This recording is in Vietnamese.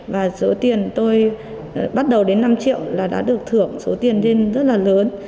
và số tiền tôi bắt đầu đến năm triệu là đã được thưởng số tiền lên rất là lớn